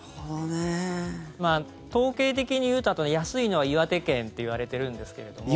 統計的に言うと、あと安いのは岩手県といわれてるんですが。